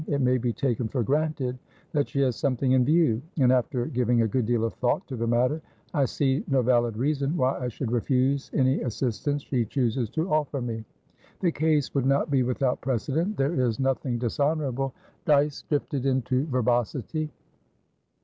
It may be taken for granted that she has something in view; and, after giving a good deal of thought to the matter, I see no valid reason why I should refuse any assistance she chooses to offer me. The case would not be without precedent. There is nothing dishonourable" Dyce drifted into verbosity.